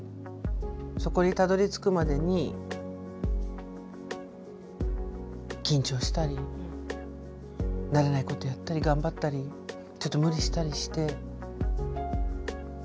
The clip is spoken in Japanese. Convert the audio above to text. そこにたどりつくまでに緊張したり慣れないことやったり頑張ったりちょっと無理したりして。